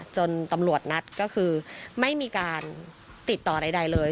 จนตำรวจนัดก็คือไม่มีการติดต่อใดเลย